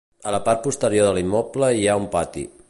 A la part posterior de l'immoble hi ha un pati.